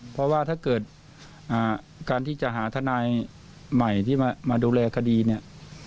เพราะว่าถ้าเกิดการที่จะหาทนายใหม่ที่มาดูแลคดีเนี่ย